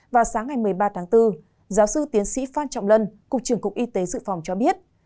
vào sáng ngày một mươi ba tháng bốn giáo sư tiến sĩ phan trọng lân cục trưởng cục y tế dự phòng cho biết